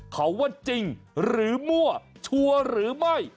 เขาว่าจริงหรือมั่วชัวร์หรือไม่